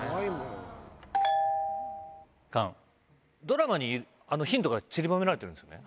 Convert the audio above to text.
ドラマにヒントがちりばめられてるんですよね？